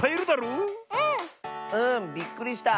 うん。びっくりした！